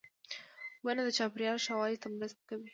• ونه د چاپېریال ښه والي ته مرسته کوي.